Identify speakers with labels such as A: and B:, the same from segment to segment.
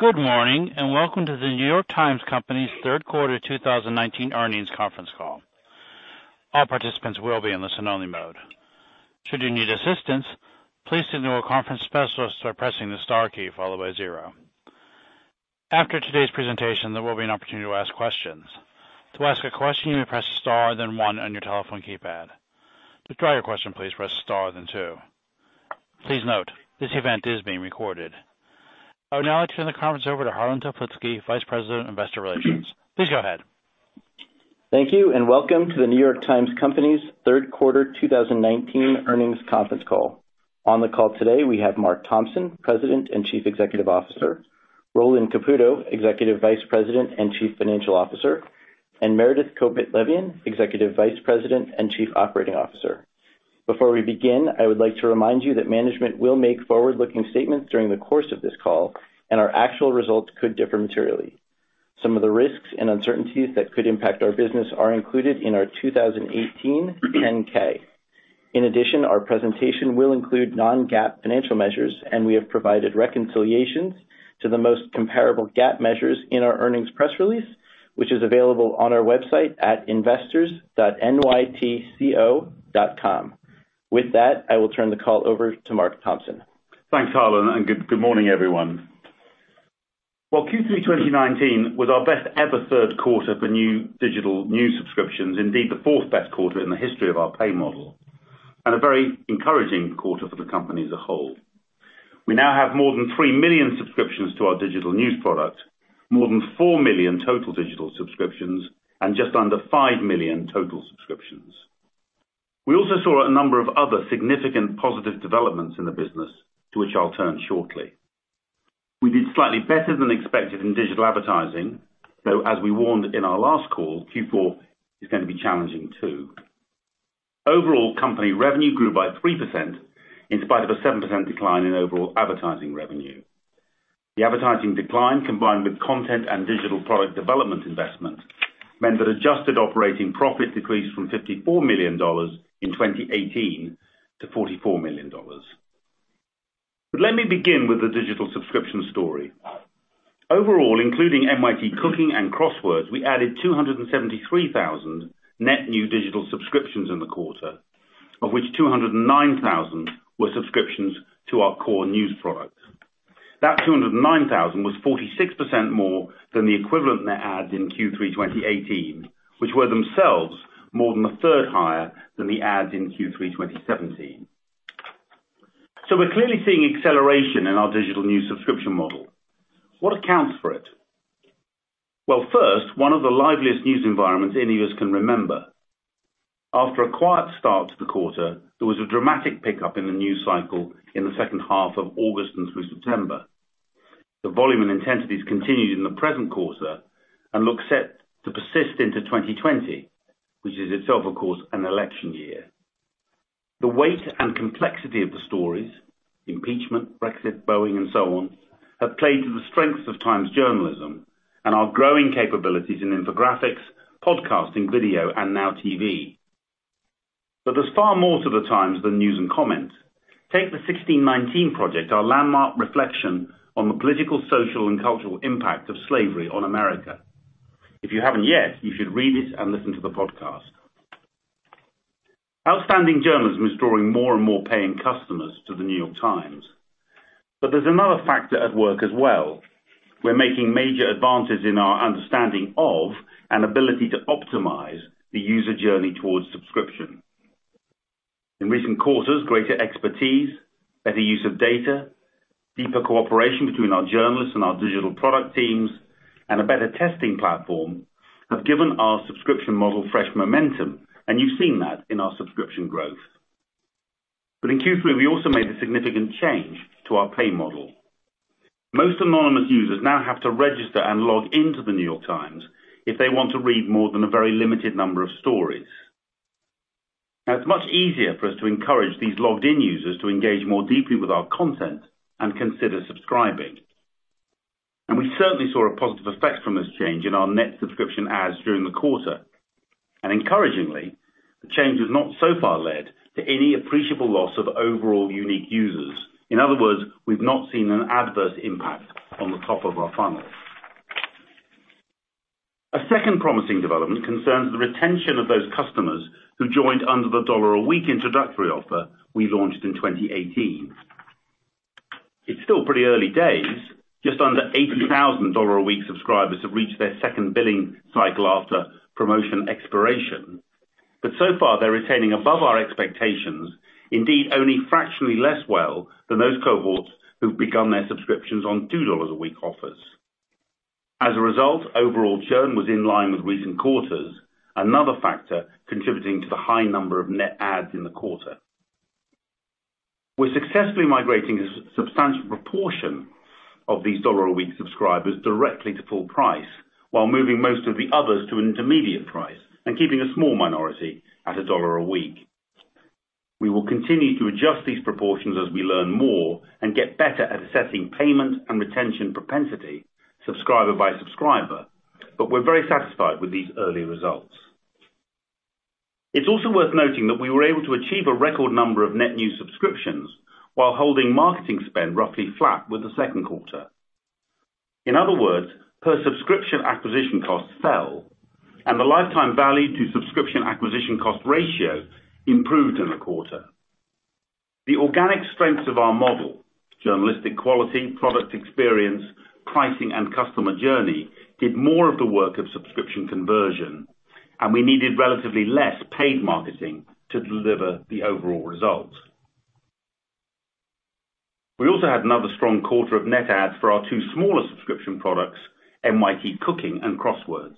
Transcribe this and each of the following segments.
A: Good morning, and welcome to The New York Times Company's Third Quarter 2019 Earnings Conference Call. All participants will be in listen-only mode. Should you need assistance, please signal a conference specialist by pressing the star key followed by zero. After today's presentation, there will be an opportunity to ask questions. To ask a question, you may press star then one on your telephone keypad. To withdraw your question, please press star then two. Please note, this event is being recorded. I would now like to turn the conference over to Harlan Toplitzky, Vice President of Investor Relations. Please go ahead.
B: Thank you, and welcome to The New York Times Company's Third Quarter 2019 Earnings Conference Call. On the call today, we have Mark Thompson, President and Chief Executive Officer, Roland Caputo, Executive Vice President and Chief Financial Officer, and Meredith Kopit Levien, Executive Vice President and Chief Operating Officer. Before we begin, I would like to remind you that management will make forward-looking statements during the course of this call, and our actual results could differ materially. Some of the risks and uncertainties that could impact our business are included in our 2018 10-K. In addition, our presentation will include non-GAAP financial measures, and we have provided reconciliations to the most comparable GAAP measures in our earnings press release, which is available on our website at investors.nytco.com. With that, I will turn the call over to Mark Thompson.
C: Thanks, Harlan, and good morning, everyone. Well, Q3 2019 was our best ever third quarter for new digital news subscriptions. Indeed, the fourth-best quarter in the history of our pay model, and a very encouraging quarter for the company as a whole. We now have more than three million subscriptions to our digital news product, more than four million total digital subscriptions, and just under five million total subscriptions. We also saw a number of other significant positive developments in the business, to which I'll turn shortly. We did slightly better than expected in digital advertising, though, as we warned in our last call, Q4 is going to be challenging, too. Overall, company revenue grew by 3% in spite of a 7% decline in overall advertising revenue. The advertising decline, combined with content and digital product development investment, meant that adjusted operating profit decreased from $54 million in 2018 to $44 million. Let me begin with the digital subscription story. Overall, including NYT Cooking and Crosswords, we added 273,000 net new digital subscriptions in the quarter, of which 209,000 were subscriptions to our core news products. That 209,000 was 46% more than the equivalent net adds in Q3 2018, which were themselves more than a third higher than the adds in Q3 2017. We're clearly seeing acceleration in our digital news subscription model. What accounts for it? Well, first, one of the liveliest news environments any of us can remember. After a quiet start to the quarter, there was a dramatic pickup in the news cycle in the second half of August and through September. The volume and intensity has continued in the present quarter and looks set to persist into 2020, which is itself, of course, an election year. The weight and complexity of the stories, impeachment, Brexit, Boeing, and so on, have played to the strengths of Times journalism and our growing capabilities in infographics, podcasting, video, and now TV. There's far more to The Times than news and comment. Take The 1619 Project, our landmark reflection on the political, social, and cultural impact of slavery on America. If you haven't yet, you should read it and listen to the podcast. Outstanding journalism is drawing more and more paying customers to The New York Times. There's another factor at work as well. We're making major advances in our understanding of, and ability to optimize, the user journey towards subscription. In recent quarters, greater expertise, better use of data, deeper cooperation between our journalists and our digital product teams, and a better testing platform have given our subscription model fresh momentum, and you've seen that in our subscription growth. In Q3, we also made a significant change to our pay model. Most anonymous users now have to register and log in to The New York Times if they want to read more than a very limited number of stories. Now, it's much easier for us to encourage these logged-in users to engage more deeply with our content and consider subscribing. We certainly saw a positive effect from this change in our net subscription adds during the quarter. Encouragingly, the change has not so far led to any appreciable loss of overall unique users. In other words, we've not seen an adverse impact on the top of our funnel. A second promising development concerns the retention of those customers who joined under the $1-a-week introductory offer we launched in 2018. It's still pretty early days. Just under 80,000 $1-a-week subscribers have reached their second billing cycle after promotion expiration. So far, they're retaining above our expectations, indeed, only fractionally less well than those cohorts who've begun their subscriptions on $2-a-week offers. As a result, overall churn was in line with recent quarters, another factor contributing to the high number of net adds in the quarter. We're successfully migrating a substantial proportion of these $1-a-week subscribers directly to full price while moving most of the others to an intermediate price and keeping a small minority at $1 a week. We will continue to adjust these proportions as we learn more and get better at assessing payment and retention propensity subscriber by subscriber, but we're very satisfied with these early results. It's also worth noting that we were able to achieve a record number of net new subscriptions while holding marketing spend roughly flat with the second quarter. In other words, per subscription acquisition costs fell, and the lifetime value to subscription acquisition cost ratio improved in the quarter. The organic strengths of our model, journalistic quality, product experience, pricing, and customer journey, did more of the work of subscription conversion, and we needed relatively less paid marketing to deliver the overall result. We also had another strong quarter of net ads for our two smaller subscription products, NYT Cooking and Crosswords.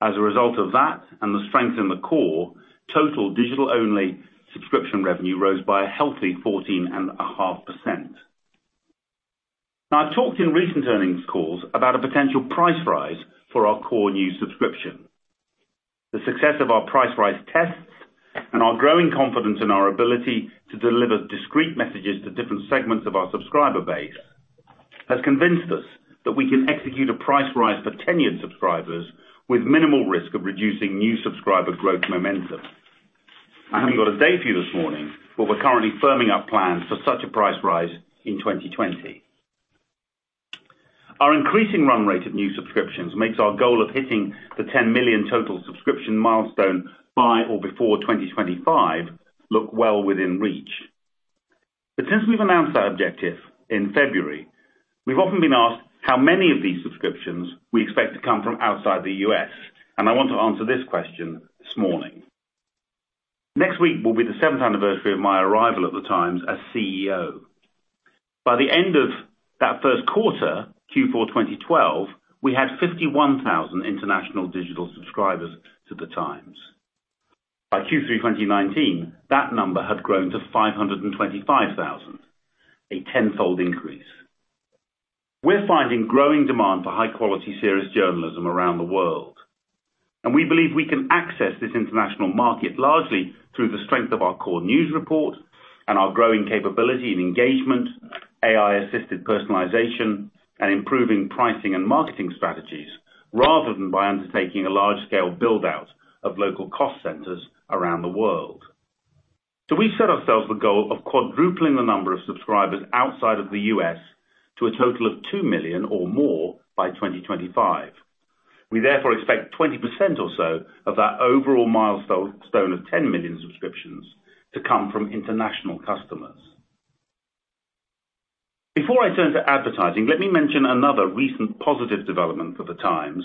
C: As a result of that and the strength in the core, total digital-only subscription revenue rose by a healthy 14.5%. Now, I've talked in recent earnings calls about a potential price rise for our core news subscription. The success of our price rise tests and our growing confidence in our ability to deliver discrete messages to different segments of our subscriber base has convinced us that we can execute a price rise for tenured subscribers with minimal risk of reducing new subscriber growth momentum. I haven't got a date for you this morning, but we're currently firming up plans for such a price rise in 2020. Our increasing run rate of new subscriptions makes our goal of hitting the 10 million total subscription milestone by or before 2025 look well within reach. Since we've announced that objective in February, we've often been asked how many of these subscriptions we expect to come from outside the U.S., and I want to answer this question this morning. Next week will be the seventh anniversary of my arrival at the Times as CEO. By the end of that first quarter, Q4 2012, we had 51,000 international digital subscribers to the Times. By Q3 2019, that number had grown to 525,000. A tenfold increase. We're finding growing demand for high-quality, serious journalism around the world. We believe we can access this international market largely through the strength of our core news report and our growing capability in engagement, AI-assisted personalization, and improving pricing and marketing strategies, rather than by undertaking a large-scale build-out of local cost centers around the world. We've set ourselves the goal of quadrupling the number of subscribers outside of the U.S. to a total of two million or more by 2025. We therefore expect 20% or so of that overall milestone of 10 million subscriptions to come from international customers. Before I turn to advertising, let me mention another recent positive development for the Times,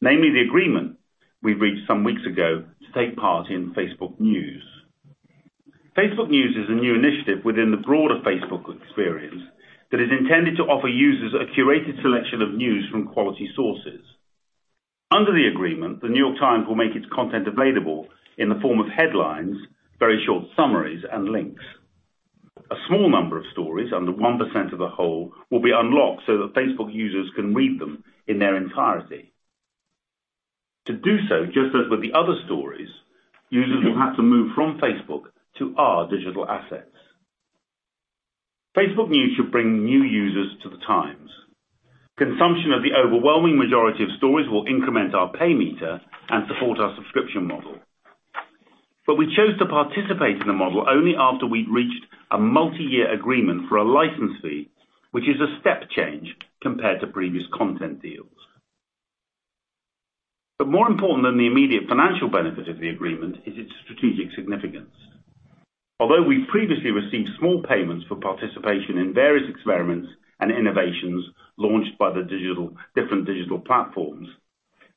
C: namely the agreement we reached some weeks ago to take part in Facebook News. Facebook News is a new initiative within the broader Facebook experience that is intended to offer users a curated selection of news from quality sources. Under the agreement, The New York Times will make its content available in the form of headlines, very short summaries, and links. A small number of stories, under 1% of the whole, will be unlocked so that Facebook users can read them in their entirety. To do so, just as with the other stories, users will have to move from Facebook to our digital assets. Facebook News should bring new users to the Times. Consumption of the overwhelming majority of stories will increment our pay meter and support our subscription model. We chose to participate in the model only after we'd reached a multi-year agreement for a license fee, which is a step change compared to previous content deals. More important than the immediate financial benefit of the agreement is its strategic significance. Although we previously received small payments for participation in various experiments and innovations launched by the different digital platforms,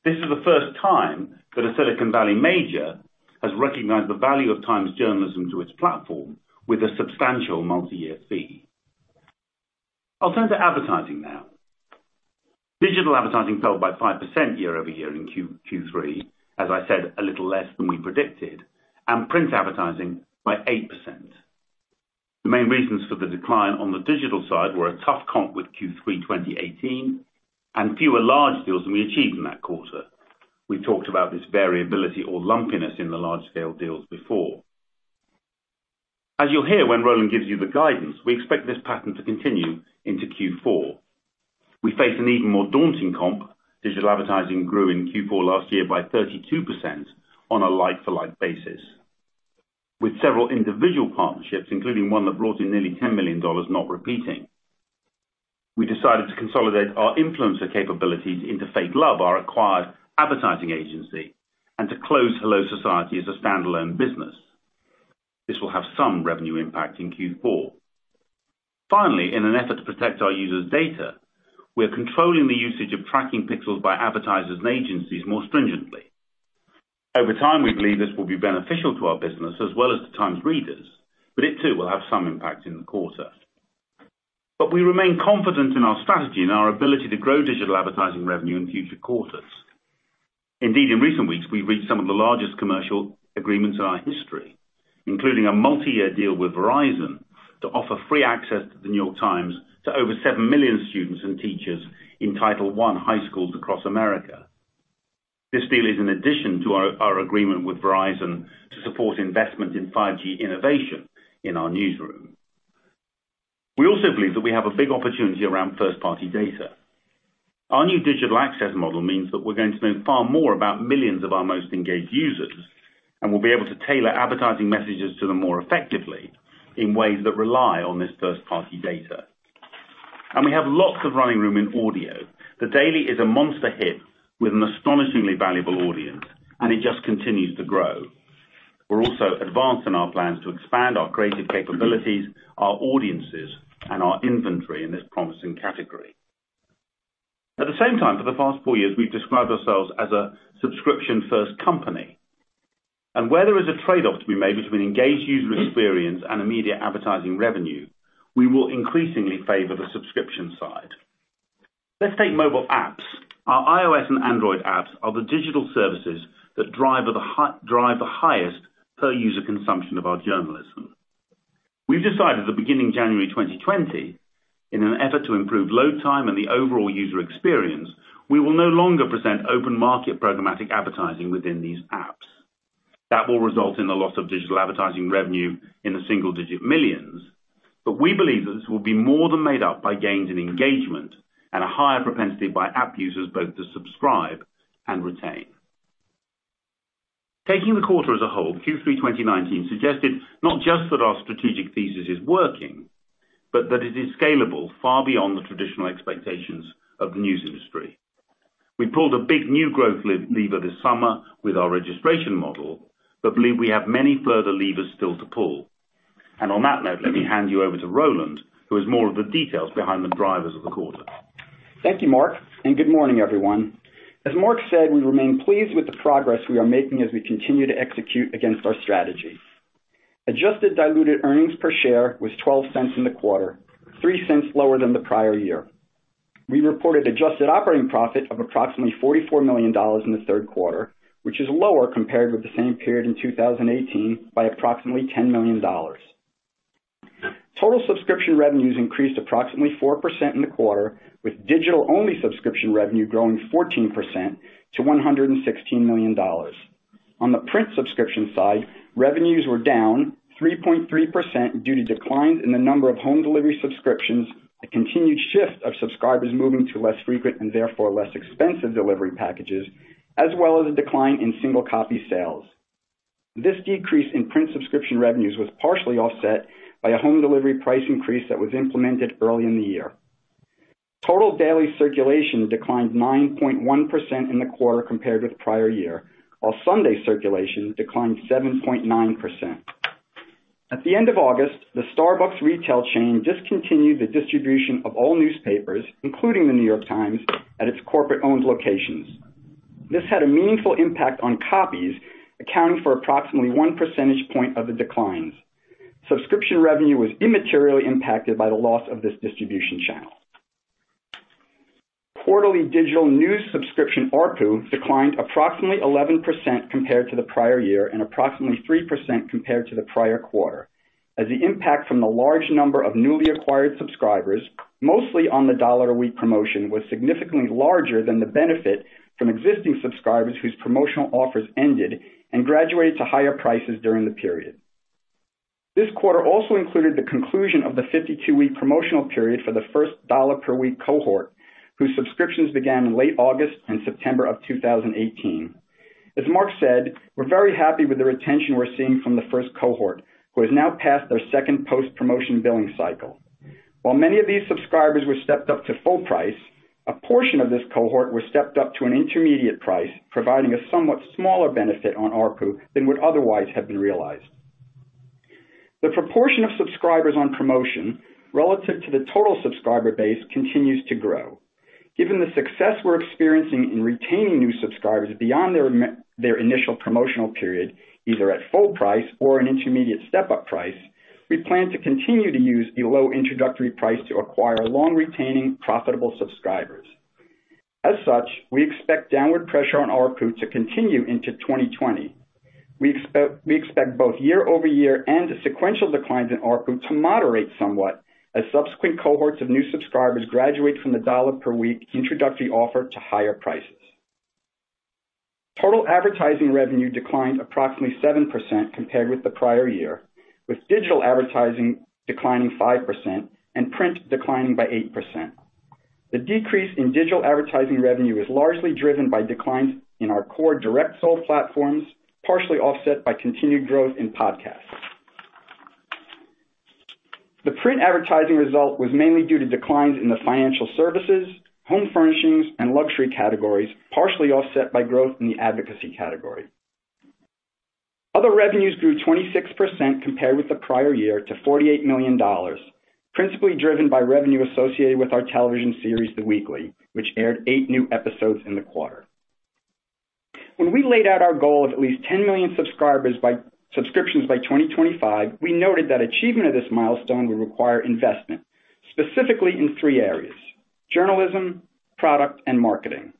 C: this is the first time that a Silicon Valley major has recognized the value of Times journalism to its platform with a substantial multi-year fee. I'll turn to advertising now. Digital advertising fell by 5% year-over-year in Q3, as I said, a little less than we predicted, and print advertising by 8%. The main reasons for the decline on the digital side were a tough comp with Q3 2018 and fewer large deals than we achieved in that quarter. We talked about this variability or lumpiness in the large-scale deals before. As you'll hear when Roland gives you the guidance, we expect this pattern to continue into Q4. We face an even more daunting comp. Digital advertising grew in Q4 last year by 32% on a like-to-like basis. With several individual partnerships, including one that brought in nearly $10 million not repeating, we decided to consolidate our influencer capabilities into Fake Love, our acquired advertising agency, and to close HelloSociety as a standalone business. This will have some revenue impact in Q4. Finally, in an effort to protect our users' data, we are controlling the usage of tracking pixels by advertisers and agencies more stringently. Over time, we believe this will be beneficial to our business as well as to Times readers, but it too will have some impact in the quarter. We remain confident in our strategy and our ability to grow digital advertising revenue in future quarters. Indeed, in recent weeks, we've reached some of the largest commercial agreements in our history, including a multi-year deal with Verizon to offer free access to The New York Times to over seven million students and teachers in Title I high schools across America. This deal is in addition to our agreement with Verizon to support investment in 5G innovation in our newsroom. We also believe that we have a big opportunity around first-party data. Our new digital access model means that we're going to know far more about millions of our most engaged users, and we'll be able to tailor advertising messages to them more effectively in ways that rely on this first-party data. We have lots of running room in audio. The Daily is a monster hit with an astonishingly valuable audience, and it just continues to grow. We're also advancing our plans to expand our creative capabilities, our audiences, and our inventory in this promising category. At the same time, for the past four years, we've described ourselves as a subscription-first company, and where there is a trade-off to be made between engaged user experience and immediate advertising revenue, we will increasingly favor the subscription side. Let's take mobile apps. Our iOS and Android apps are the digital services that drive the highest per-user consumption of our journalism. We've decided that beginning January 2020, in an effort to improve load time and the overall user experience, we will no longer present open market programmatic advertising within these apps. That will result in the loss of $1 million-$9 million in digital advertising revenue, but we believe that this will be more than made up by gains in engagement and a higher propensity by app users both to subscribe and retain. Taking the quarter as a whole, Q3 2019 suggested not just that our strategic thesis is working, but that it is scalable far beyond the traditional expectations of the news industry. We pulled a big new growth lever this summer with our registration model, but believe we have many further levers still to pull. On that note, let me hand you over to Roland, who has more of the details behind the drivers of the quarter.
D: Thank you, Mark, and good morning, everyone. As Mark said, we remain pleased with the progress we are making as we continue to execute against our strategy. Adjusted diluted earnings per share was $0.12 in the quarter, $0.03 lower than the prior year. We reported adjusted operating profit of approximately $44 million in the third quarter, which is lower compared with the same period in 2018 by approximately $10 million. Total subscription revenues increased approximately 4% in the quarter, with digital-only subscription revenue growing 14% to $116 million. On the print subscription side, revenues were down 3.3% due to declines in the number of home delivery subscriptions, a continued shift of subscribers moving to less frequent and therefore less expensive delivery packages, as well as a decline in single copy sales. This decrease in print subscription revenues was partially offset by a home delivery price increase that was implemented early in the year. Total daily circulation declined 9.1% in the quarter compared with prior year, while Sunday circulation declined 7.9%. At the end of August, the Starbucks retail chain discontinued the distribution of all newspapers, including The New York Times, at its corporate-owned locations. This had a meaningful impact on copies, accounting for approximately 1 percentage point of the declines. Subscription revenue was immaterially impacted by the loss of this distribution channel. Quarterly digital news subscription ARPU declined approximately 11% compared to the prior year and approximately 3% compared to the prior quarter, as the impact from the large number of newly acquired subscribers, mostly on the $1 a week promotion, was significantly larger than the benefit from existing subscribers whose promotional offers ended and graduated to higher prices during the period. This quarter also included the conclusion of the 52-week promotional period for the first $1 per week cohort, whose subscriptions began in late August and September of 2018. As Mark said, we're very happy with the retention we're seeing from the first cohort, who has now passed their second post-promotion billing cycle. While many of these subscribers were stepped up to full price, a portion of this cohort was stepped up to an intermediate price, providing a somewhat smaller benefit on ARPU than would otherwise have been realized. The proportion of subscribers on promotion relative to the total subscriber base continues to grow. Given the success we're experiencing in retaining new subscribers beyond their initial promotional period, either at full price or an intermediate step-up price, we plan to continue to use the low introductory price to acquire long-retaining profitable subscribers. As such, we expect downward pressure on ARPU to continue into 2020. We expect both year-over-year and sequential declines in ARPU to moderate somewhat as subsequent cohorts of new subscribers graduate from the dollar per week introductory offer to higher prices. Total advertising revenue declined approximately 7% compared with the prior year, with digital advertising declining 5% and print declining by 8%. The decrease in digital advertising revenue is largely driven by declines in our core direct sold platforms, partially offset by continued growth in podcasts. The print advertising result was mainly due to declines in the financial services, home furnishings, and luxury categories, partially offset by growth in the advocacy category. Other revenues grew 26% compared with the prior year to $48 million, principally driven by revenue associated with our television series, The Weekly, which aired eight new episodes in the quarter. When we laid out our goal of at least 10 million subscriptions by 2025, we noted that achievement of this milestone would require investment, specifically in three areas, journalism, product, and marketing.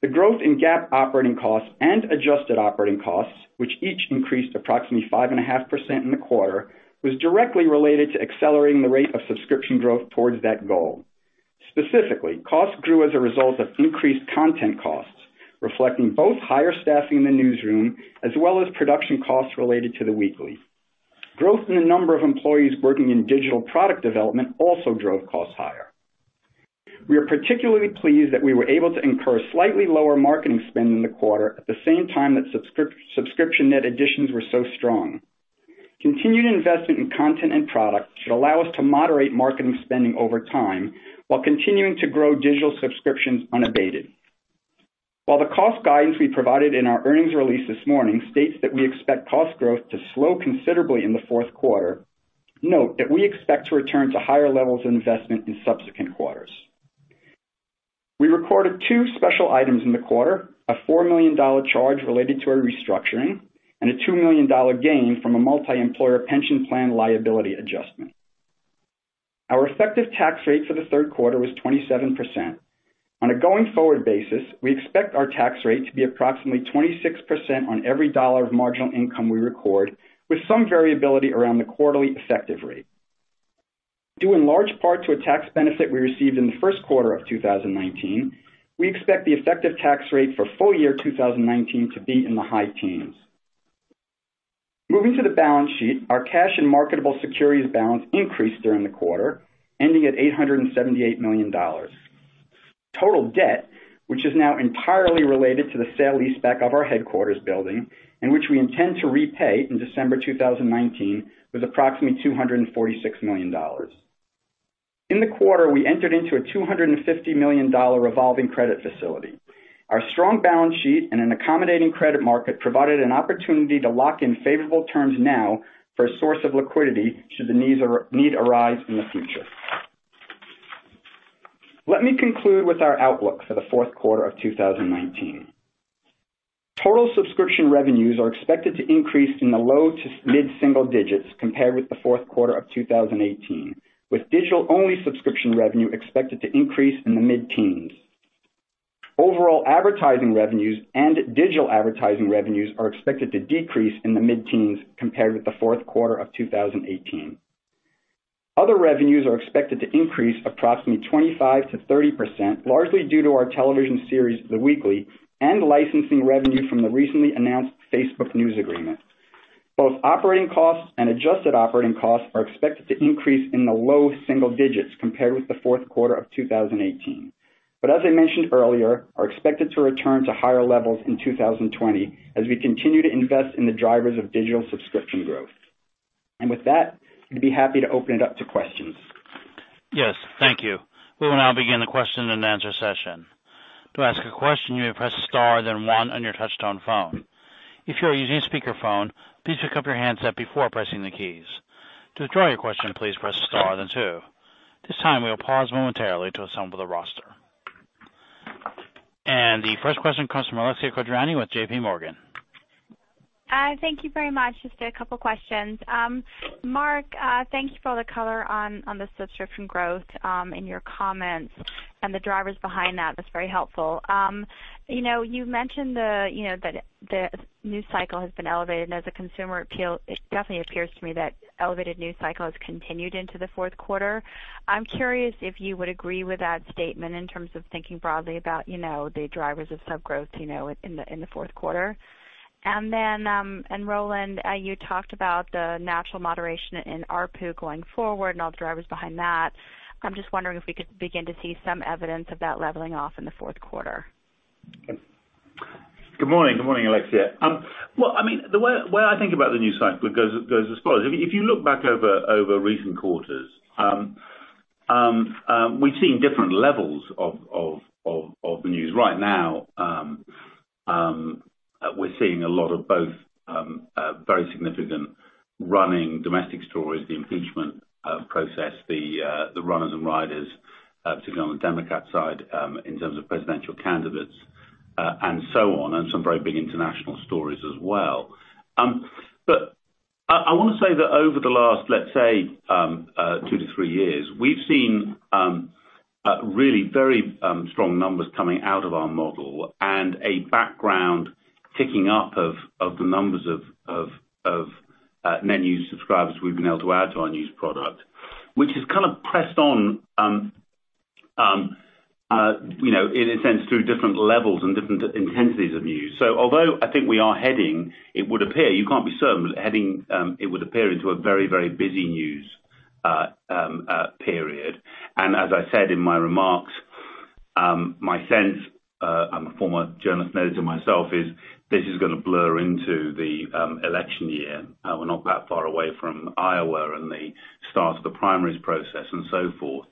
D: The growth in GAAP operating costs and adjusted operating costs, which each increased approximately 5.5% in the quarter, was directly related to accelerating the rate of subscription growth towards that goal. Specifically, costs grew as a result of increased content costs, reflecting both higher staffing in the newsroom as well as production costs related to The Weekly. Growth in the number of employees working in digital product development also drove costs higher. We are particularly pleased that we were able to incur slightly lower marketing spend in the quarter at the same time that subscription net additions were so strong. Continued investment in content and product should allow us to moderate marketing spending over time while continuing to grow digital subscriptions unabated. While the cost guidance we provided in our earnings release this morning states that we expect cost growth to slow considerably in the fourth quarter, note that we expect to return to higher levels of investment in subsequent quarters. We recorded two special items in the quarter, a $4 million charge related to our restructuring, and a $2 million gain from a multi-employer pension plan liability adjustment. Our effective tax rate for the third quarter was 27%. On a going-forward basis, we expect our tax rate to be approximately 26% on every dollar of marginal income we record, with some variability around the quarterly effective rate. Due in large part to a tax benefit we received in the first quarter of 2019, we expect the effective tax rate for full year 2019 to be in the high teens. Moving to the balance sheet, our cash and marketable securities balance increased during the quarter, ending at $878 million. Total debt, which is now entirely related to the sale leaseback of our headquarters building and which we intend to repay in December 2019, was approximately $246 million. In the quarter, we entered into a $250 million revolving credit facility. Our strong balance sheet and an accommodating credit market provided an opportunity to lock in favorable terms now for a source of liquidity should the need arise in the future. Let me conclude with our outlook for the fourth quarter of 2019. Total subscription revenues are expected to increase in the low to mid-single digits compared with the fourth quarter of 2018, with digital-only subscription revenue expected to increase in the mid-teens. Overall advertising revenues and digital advertising revenues are expected to decrease in the mid-teens compared with the fourth quarter of 2018. Other revenues are expected to increase approximately 25%-30%, largely due to our television series, The Weekly and licensing revenue from the recently announced Facebook News agreement. Both operating costs and adjusted operating costs are expected to increase in the low single digits compared with the fourth quarter of 2018, but as I mentioned earlier, are expected to return to higher levels in 2020 as we continue to invest in the drivers of digital subscription growth. With that, we'd be happy to open it up to questions.
A: Yes, thank you. We will now begin the question and answer session. To ask a question, you may press star, then one on your touchtone phone. If you are using a speakerphone, please pick up your handset before pressing the keys. To withdraw your question, please press star, then two. This time we will pause momentarily to assemble the roster. The first question comes from Alexia Quadrani with JPMorgan.
E: Thank you very much. Just a couple of questions. Mark, thanks for all the color on the subscription growth, in your comments and the drivers behind that. That's very helpful. You mentioned that the news cycle has been elevated and as a consumer appeal, it definitely appears to me that elevated news cycle has continued into the fourth quarter. I'm curious if you would agree with that statement in terms of thinking broadly about the drivers of sub growth in the fourth quarter. Then, Roland, you talked about the natural moderation in ARPU going forward and all the drivers behind that. I'm just wondering if we could begin to see some evidence of that leveling off in the fourth quarter.
C: Good morning. Good morning, Alexia. Well, the way I think about the news cycle goes as follows. If you look back over recent quarters, we've seen different levels of the news. Right now, we're seeing a lot of both very significant running domestic stories, the impeachment process, the runners and riders, particularly on the Democrat side, in terms of presidential candidates, and so on, and some very big international stories as well. I want to say that over the last, let's say, two to three years, we've seen really very strong numbers coming out of our model and a background ticking up of the numbers of net new subscribers we've been able to add to our news product. Which has kind of pressed on in a sense, through different levels and different intensities of news. Although I think we are heading, it would appear, you can't be certain, into a very, very busy news period. As I said in my remarks, my sense, I'm a former journalist and editor myself, is this is going to blur into the election year. We're not that far away from Iowa and the start of the primaries process and so forth.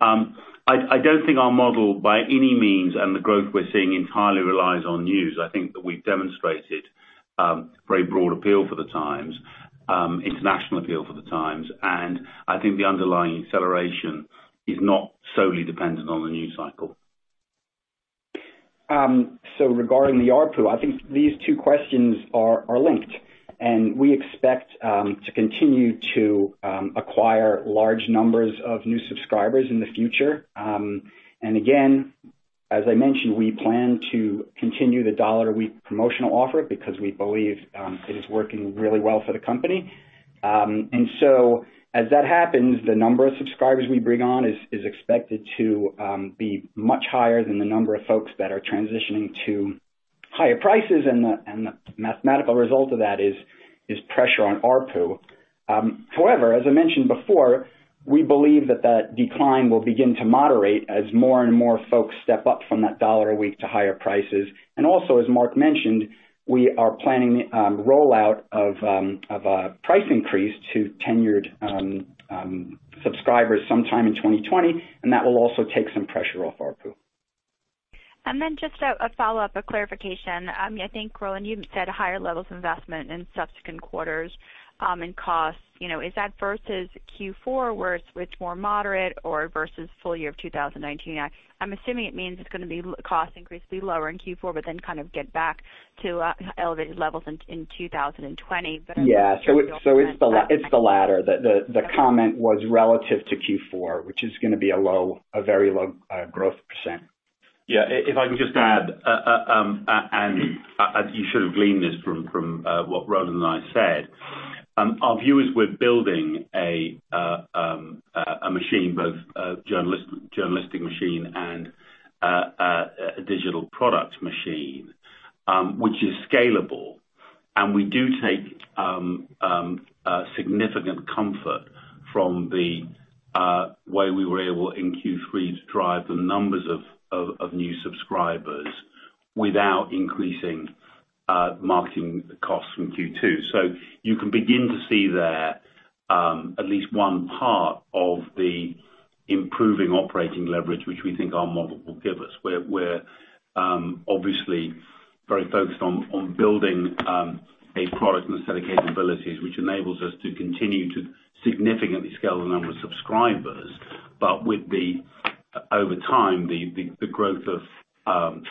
C: I don't think our model by any means, and the growth we're seeing entirely relies on news. I think that we've demonstrated very broad appeal for the Times, international appeal for the Times, and I think the underlying acceleration is not solely dependent on the news cycle.
D: Regarding the ARPU, I think these two questions are linked, and we expect to continue to acquire large numbers of new subscribers in the future. Again As I mentioned, we plan to continue the $1 a week promotional offer because we believe it is working really well for the company, as that happens, the number of subscribers we bring on is expected to be much higher than the number of folks that are transitioning to higher prices, and the mathematical result of that is pressure on ARPU. However, as I mentioned before, we believe that that decline will begin to moderate as more and more folks step up from that $1 a week to higher prices. as Mark mentioned, we are planning rollout of a price increase to tenured subscribers sometime in 2020, and that will also take some pressure off ARPU.
E: Just a follow-up, a clarification. I think, Roland, you said higher levels of investment in subsequent quarters and costs. Is that versus Q4, where it's more moderate or versus full year of 2019? I'm assuming it means it's going to be costs increasingly lower in Q4, but then kind of get back to elevated levels in 2020.
D: Yeah. It's the latter. The comment was relative to Q4, which is going to be a very low growth percent.
C: Yeah. If I can just add, and you should have gleaned this from what Roland and I said. Our view is we're building a machine, both a journalistic machine and a digital product machine, which is scalable. We do take significant comfort from the way we were able, in Q3, to drive the numbers of new subscribers without increasing marketing costs from Q2. You can begin to see there at least one part of the improving operating leverage, which we think our model will give us. We're obviously very focused on building a product and a set of capabilities which enables us to continue to significantly scale the number of subscribers. Over time, the growth of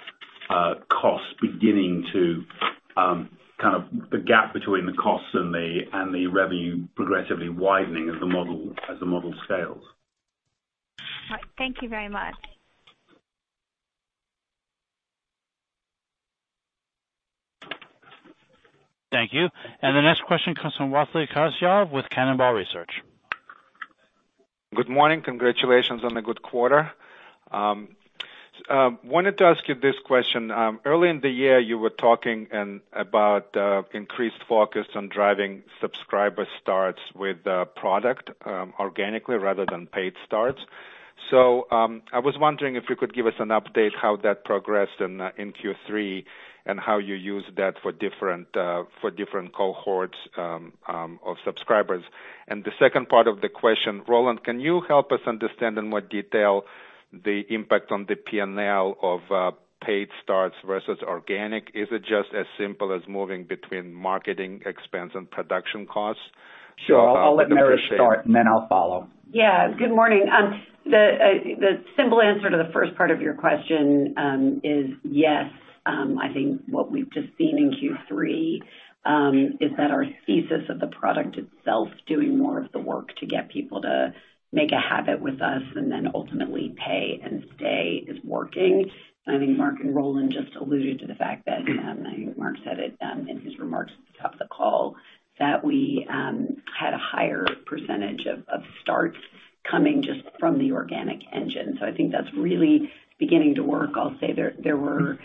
C: costs beginning to kind of, the gap between the costs and the revenue progressively widening as the model scales.
E: All right. Thank you very much.
A: Thank you. The next question comes from Vasily Karasyov with Cannonball Research.
F: Good morning. Congratulations on the good quarter. Wanted to ask you this question. Early in the year, you were talking about increased focus on driving subscriber starts with product organically rather than paid starts. I was wondering if you could give us an update how that progressed in Q3, and how you used that for different cohorts of subscribers. The second part of the question, Roland, can you help us understand in more detail the impact on the P&L of paid starts versus organic? Is it just as simple as moving between marketing expense and production costs?
D: Sure. I'll let Meredith start, and then I'll follow.
G: Yeah. Good morning. The simple answer to the first part of your question is yes. I think what we've just seen in Q3 is that our thesis of the product itself doing more of the work to get people to make a habit with us and then ultimately pay and stay is working. I think Mark and Roland just alluded to the fact that, I think Mark said it in his remarks at the top of the call, that we had a higher percentage of starts coming just from the organic engine. I think that's really beginning to work. I'll say there were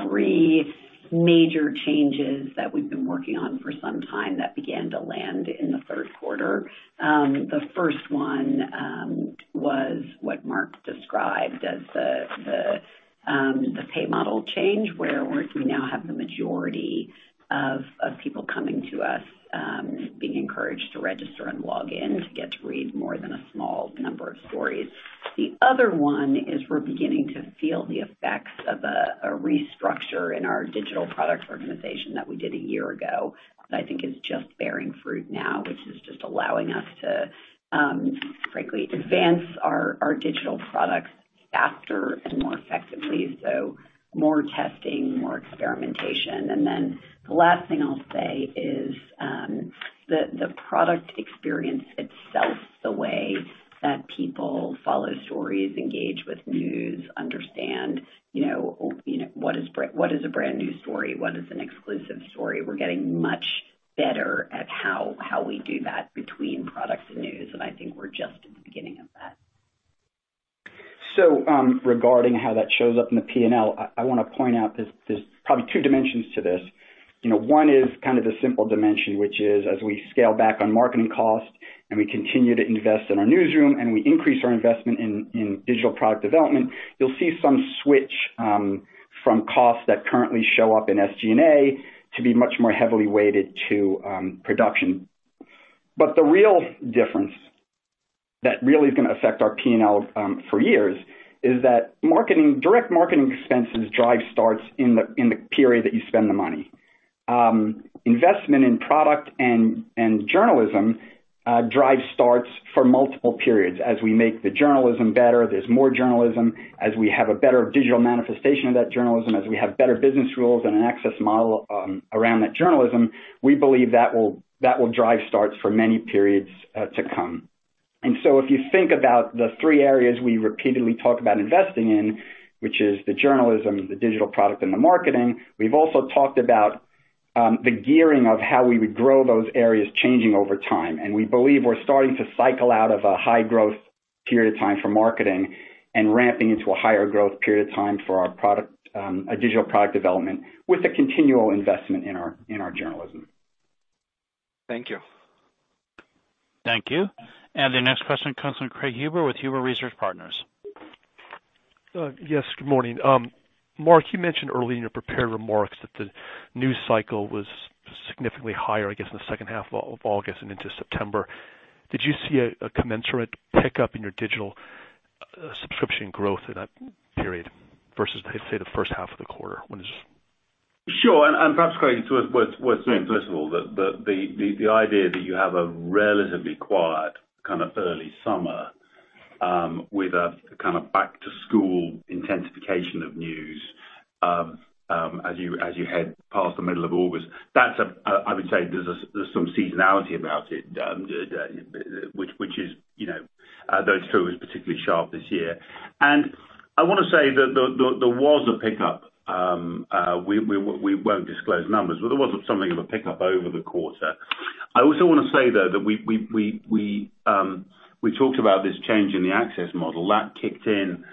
G: three major changes that we've been working on for some time that began to land in the third quarter. The first one was what Mark described as the pay model change, where we now have the majority of people coming to us being encouraged to register and log in to get to read more than a small number of stories. The other one is we're beginning to feel the effects of a restructure in our digital product organization that we did a year ago that I think is just bearing fruit now, which is just allowing us to frankly advance our digital products faster and more effectively, so more testing, more experimentation. The last thing I'll say is the product experience itself, the way that people follow stories, engage with news, understand what is a brand new story, what is an exclusive story. We're getting much better at how we do that between products and news, and I think we're just at the beginning of that.
D: Regarding how that shows up in the P&L, I want to point out there's probably two dimensions to this. One is kind of the simple dimension, which is as we scale back on marketing costs and we continue to invest in our newsroom and we increase our investment in digital product development, you'll see some switch from costs that currently show up in SG&A to be much more heavily weighted to production. But the real difference that really is going to affect our P&L for years is that direct marketing expenses drive starts in the period that you spend the money. Investment in product and journalism drives starts for multiple periods. As we make the journalism better, there's more journalism. As we have a better digital manifestation of that journalism, as we have better business rules and an access model around that journalism, we believe that will drive starts for many periods to come. If you think about the three areas we repeatedly talk about investing in, which is the journalism, the digital product, and the marketing, we've also talked about the gearing of how we would grow those areas changing over time. We believe we're starting to cycle out of a high-growth period of time for marketing and ramping into a higher growth period of time for our digital product development, with a continual investment in our journalism.
F: Thank you.
A: Thank you. The next question comes from Craig Huber with Huber Research Partners.
H: Yes, good morning. Mark, you mentioned earlier in your prepared remarks that the news cycle was significantly higher, I guess, in the second half of August and into September. Did you see a commensurate pickup in your digital subscription growth in that period versus, say, the first half of the quarter? When is.
C: Sure. Perhaps, Craig, it's worth saying first of all, that the idea that you have a relatively quiet early summer with a back-to-school intensification of news as you head past the middle of August, I would say there's some seasonality about it, which is, though it's true, is particularly sharp this year. I want to say that there was a pickup. We won't disclose numbers, but there was something of a pickup over the quarter. I also want to say, though, that we talked about this change in the access model. That kicked in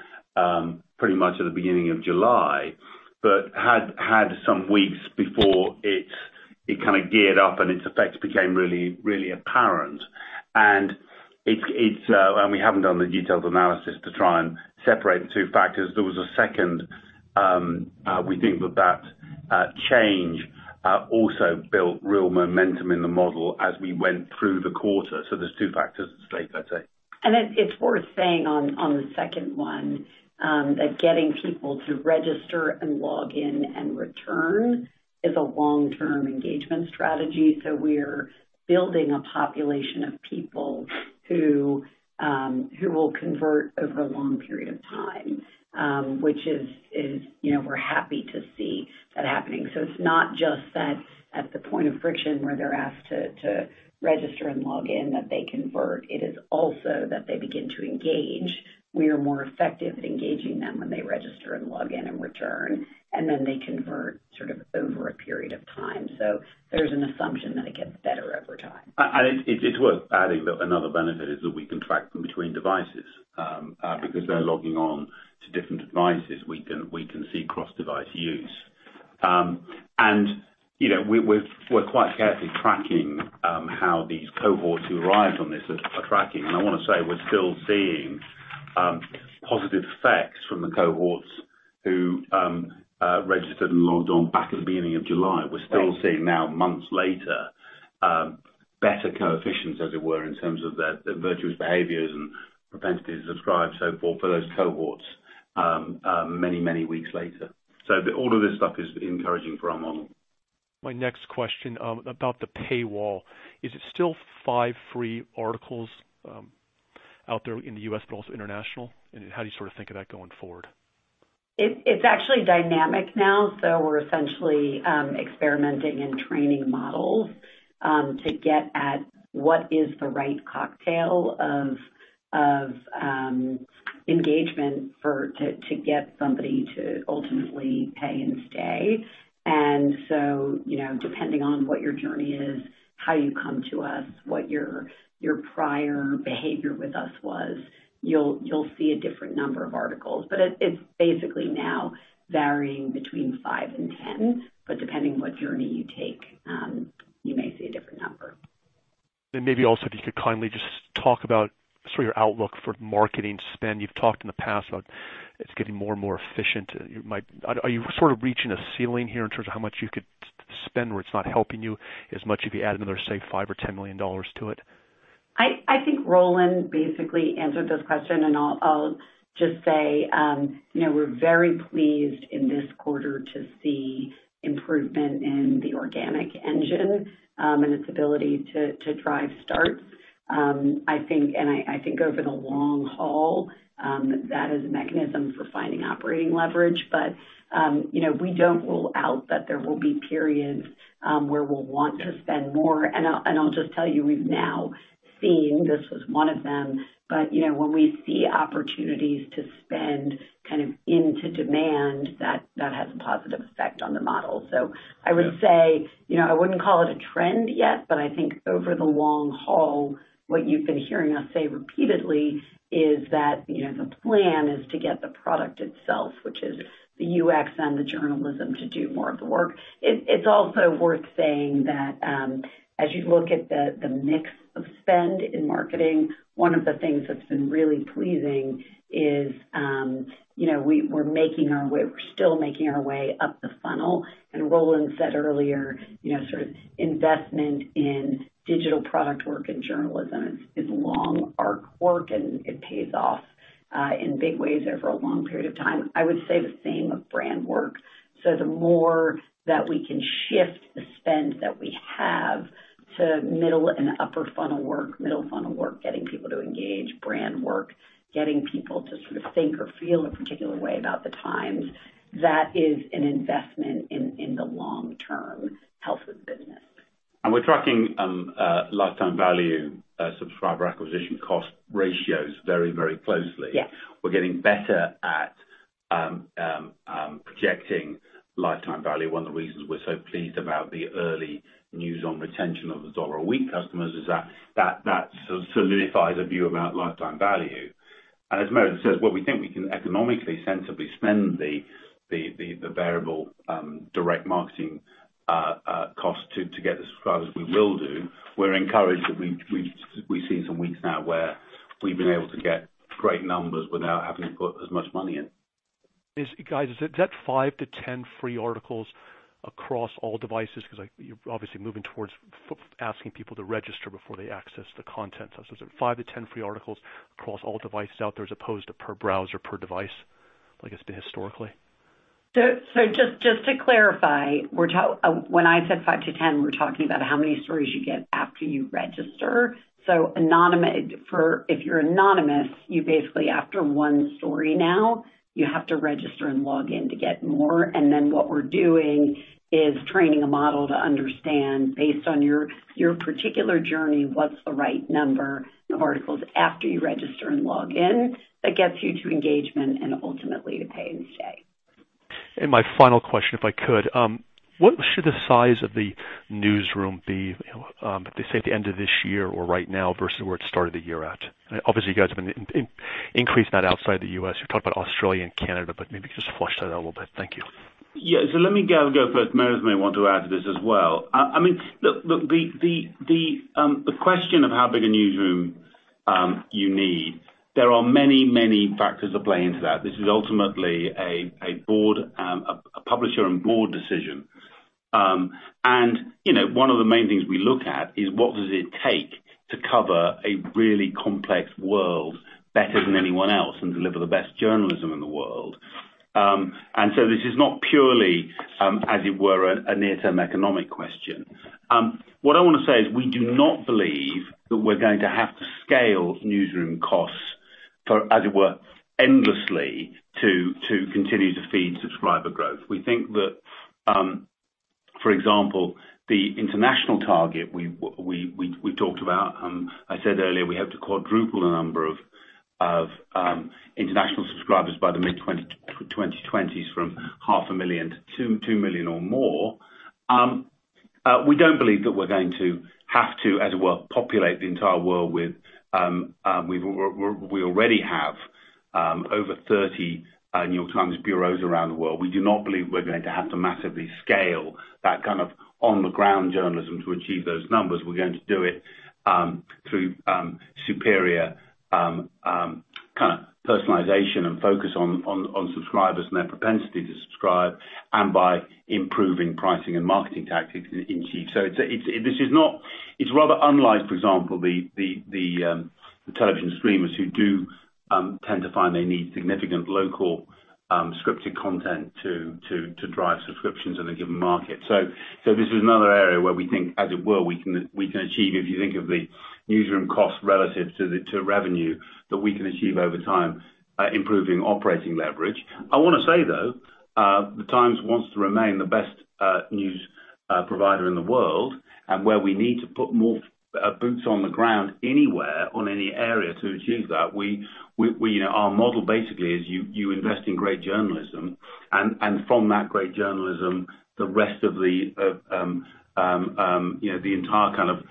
C: pretty much at the beginning of July, but had some weeks before it geared up and its effects became really apparent. We haven't done the detailed analysis to try and separate the two factors. There was a second, we think that change also built real momentum in the model as we went through the quarter. There's two factors at stake, I'd say.
G: It's worth saying on the second one, that getting people to register and log in and return is a long-term engagement strategy. We're building a population of people who will convert over a long period of time, which we're happy to see that happening. It's not just that at the point of friction where they're asked to register and log in that they convert, it is also that they begin to engage. We are more effective at engaging them when they register and log in and return, and then they convert over a period of time. There's an assumption that it gets better over time.
C: It's worth adding that another benefit is that we can track them between devices, because they're logging on to different devices. We can see cross-device use. We're quite carefully tracking how these cohorts who arrived on this are tracking. I want to say we're still seeing positive effects from the cohorts who registered and logged on back at the beginning of July. We're still seeing now, months later, better coefficients, as it were, in terms of their virtuous behaviors and propensity to subscribe, so forth for those cohorts many weeks later. All of this stuff is encouraging for our model.
H: My next question about the paywall, is it still five free articles out there in the U.S., but also international? How do you think of that going forward?
G: It's actually dynamic now, so we're essentially experimenting and training models to get at what is the right cocktail of engagement to get somebody to ultimately pay and stay. Depending on what your journey is, how you come to us, what your prior behavior with us was, you'll see a different number of articles. It's basically now varying between five and 10, but depending on what journey you take, you may see a different number.
H: Maybe also if you could kindly just talk about your outlook for marketing spend. You've talked in the past about it's getting more and more efficient. Are you reaching a ceiling here in terms of how much you could spend where it's not helping you as much if you add another, say, $5 or $10 million to it?
G: I think Roland basically answered this question, and I'll just say, we're very pleased in this quarter to see improvement in the organic engine and its ability to drive starts. I think over the long haul, that is a mechanism for finding operating leverage. We don't rule out that there will be periods where we'll want to spend more. I'll just tell you, we've now seen this was one of them. When we see opportunities to spend into demand, that has a positive effect on the model. I would say, I wouldn't call it a trend yet, but I think over the long haul, what you've been hearing us say repeatedly is that the plan is to get the product itself, which is the UX and the journalism, to do more of the work. It's also worth saying that as you look at the mix of spend in marketing, one of the things that's been really pleasing is we're still making our way up the funnel. Roland said earlier, investment in digital product work and journalism is long arc work and it pays off in big ways over a long period of time. I would say the same of brand work. The more that we can shift the spend that we have to middle and upper funnel work, middle funnel work, getting people to engage, brand work, getting people to think or feel a particular way about the Times, that is an investment in the long-term health of the business.
C: We're tracking lifetime value, subscriber acquisition cost ratios very closely.
G: Yeah.
C: We're getting better at projecting lifetime value. One of the reasons we're so pleased about the early news on retention of the $1-a-week customers is that solidifies a view about lifetime value. As Meredith says, what we think we can economically sensibly spend the variable direct marketing cost to get the subscribers we will do. We're encouraged that we've seen some weeks now where we've been able to get great numbers without having to put as much money in.
H: Guys, is that 5-10 free articles across all devices? Because you're obviously moving towards asking people to register before they access the content. Is it 5-10 free articles across all devices out there as opposed to per browser, per device, like it's been historically?
G: Just to clarify, when I said 5-10, we're talking about how many stories you get after you register. If you're anonymous, you basically, after one story now, you have to register and log in to get more. Then what we're doing is training a model to understand, based on your particular journey, what's the right number of articles after you register and log in that gets you to engagement and ultimately to pay and stay.
H: My final question, if I could. What should the size of the newsroom be, say, at the end of this year or right now versus where it started the year at? Obviously, you guys have been increasing that outside the U.S. You talked about Australia and Canada, but maybe just flesh that out a little bit. Thank you.
C: Yeah. Let me go first. Meredith may want to add to this as well. The question of how big a newsroom you need, there are many factors that play into that. This is ultimately a publisher and board decision. One of the main things we look at is what does it take to cover a really complex world better than anyone else and deliver the best journalism in the world. This is not purely, as it were, a near-term economic question. What I want to say is we do not believe that we're going to have to scale newsroom costs for, as it were, endlessly to continue to feed subscriber growth. We think that, for example, the international target we talked about. I said earlier we hope to quadruple the number of international subscribers by the mid-2020s from 500,000 to 2 million or more. We don't believe that we're going to have to, as it were, populate the entire world. We already have over 30 New York Times bureaus around the world. We do not believe we're going to have to massively scale that kind of on the ground journalism to achieve those numbers. We're going to do it through superior personalization and focus on subscribers and their propensity to subscribe and by improving pricing and marketing tactics in chief. It's rather unlike, for example, the television streamers who do tend to find they need significant local scripted content to drive subscriptions in a given market. This is another area where we think, as it were, we can achieve, if you think of the newsroom cost relative to revenue, that we can achieve over time, improving operating leverage. I want to say, though, the Times wants to remain the best news provider in the world and where we need to put more boots on the ground anywhere on any area to achieve that. Our model basically is you invest in great journalism and from that great journalism, the rest of the entire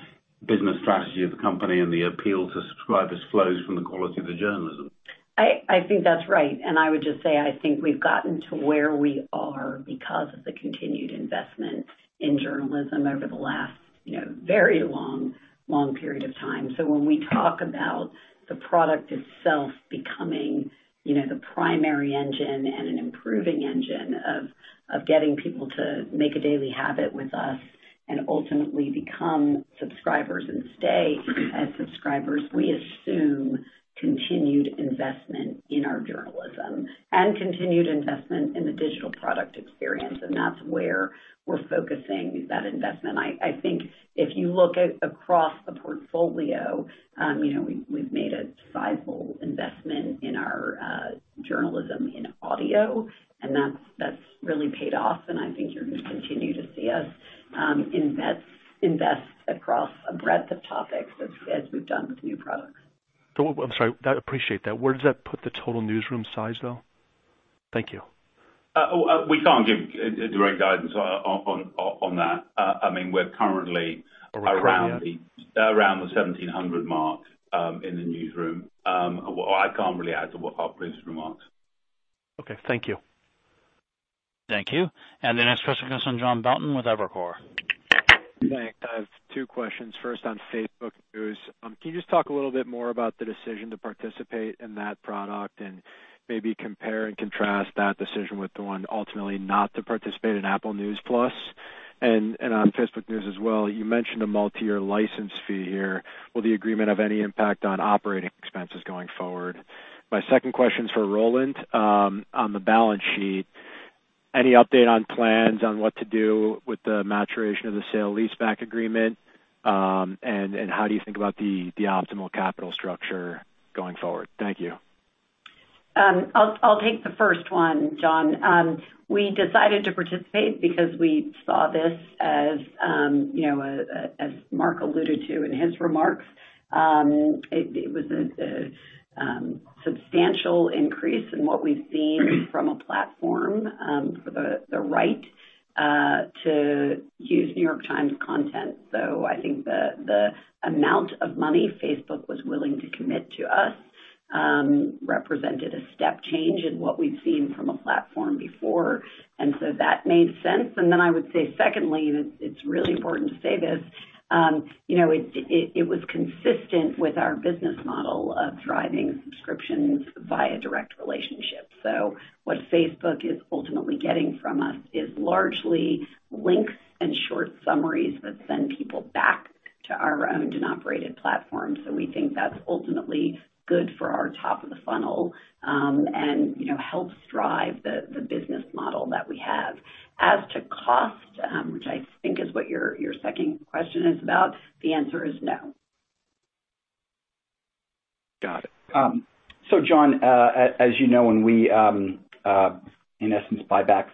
C: business strategy of the company and the appeal to subscribers flows from the quality of the journalism.
G: I think that's right. I would just say, I think we've gotten to where we are because of the continued investment in journalism over the last very long period of time. When we talk about the product itself becoming the primary engine and an improving engine of getting people to make a daily habit with us and ultimately become subscribers and stay as subscribers, we assume continued investment in our journalism and continued investment in the digital product experience. That's where we're focusing that investment. I think if you look across the portfolio, we've made a sizable investment in our journalism in audio, and that's really paid off, and I think you're going to continue to see us invest across a breadth of topics as we've done with new products.
H: I'm sorry. I appreciate that. Where does that put the total newsroom size, though? Thank you.
D: We can't give direct guidance on that. We're currently around
H: Around the area?
D: The 1,700 mark in the newsroom. I can't really add to what Mark previously remarked.
H: Okay. Thank you.
A: Thank you. The next question comes from John Belton with Evercore.
I: Thanks. I have two questions. First on Facebook News, can you just talk a little bit more about the decision to participate in that product and maybe compare and contrast that decision with the one ultimately not to participate in Apple News+? On Facebook News as well, you mentioned a multi-year license fee here. Will the agreement have any impact on operating expenses going forward? My second question is for Roland. On the balance sheet, any update on plans on what to do with the maturation of the sale leaseback agreement? And how do you think about the optimal capital structure going forward? Thank you.
G: I'll take the first one, John. We decided to participate because we saw this, as Mark alluded to in his remarks, it was a substantial increase in what we've seen from a platform for the right to use New York Times content. I think the amount of money Facebook was willing to commit to us represented a step change in what we've seen from a platform before, and so that made sense. I would say secondly, and it's really important to say this, it was consistent with our business model of driving subscriptions via direct relationships. What Facebook is ultimately getting from us is largely links and short summaries that send people back to our owned and operated platform. We think that's ultimately good for our top of the funnel and helps drive the business model that we have. As to cost, which I think is what your second question is about, the answer is no.
I: Got it.
D: John, as you know, when we in essence buy back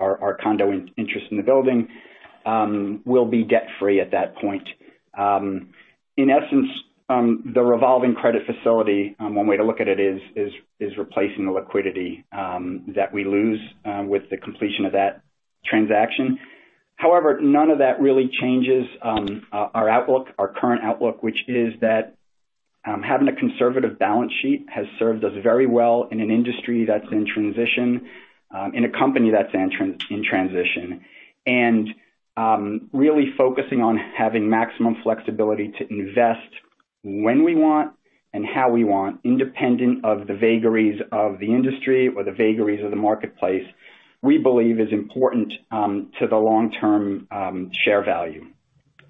D: our condo interest in the building, we'll be debt-free at that point. In essence, the revolving credit facility, one way to look at it is replacing the liquidity that we lose with the completion of that transaction. However, none of that really changes our current outlook, which is that having a conservative balance sheet has served us very well in an industry that's in transition, in a company that's in transition. Really focusing on having maximum flexibility to invest when we want and how we want, independent of the vagaries of the industry or the vagaries of the marketplace, we believe is important to the long-term share value